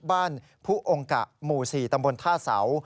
ผู้องค์กะหมู่๔ตำบลท่าเสา